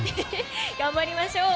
頑張りましょう！